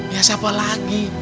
ya siapa lagi